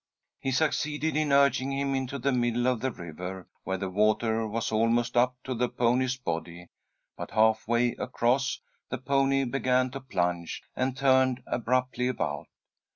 He succeeded in urging him into the middle of the river, where the water was almost up to the pony's body, but half way across, the pony began to plunge, and turned abruptly about.